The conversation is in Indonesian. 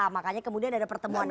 makanya kemudian ada pertemuan